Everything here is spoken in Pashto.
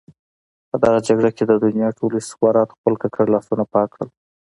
په دغه جګړه کې د دنیا ټولو استخباراتو خپل ککړ لاسونه پاک کړل.